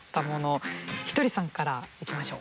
ひとりさんからいきましょう。